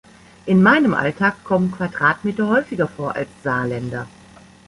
In meinem Alltag kommen Quadratmeter häufiger vor als Saarländer.